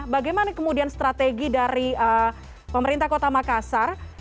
bagaimana kemudian strategi dari pemerintah kota makassar